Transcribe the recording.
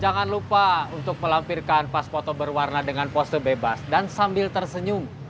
jangan lupa untuk melampirkan paspoto berwarna dengan pose bebas dan sambil tersenyum